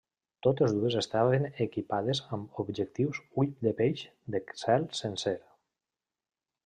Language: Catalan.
Totes dues estaven equipades amb objectius ull de peix de cel sencer.